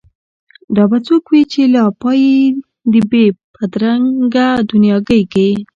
دا به څوک وي چي لا پايي دې بې بد رنګه دنیاګۍ کي